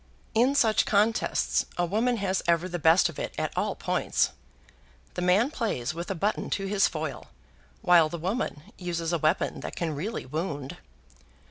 In such contests, a woman has ever the best of it at all points. The man plays with a button to his foil, while the woman uses a weapon that can really wound.